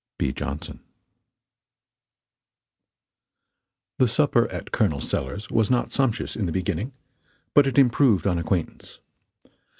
B. Jonson The supper at Col. Sellers's was not sumptuous, in the beginning, but it improved on acquaintance.